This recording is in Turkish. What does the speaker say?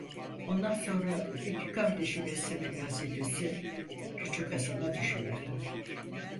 Ondan sonra iki kardeşi beslemek vazifesi küçük Hasan'a düşüyordu.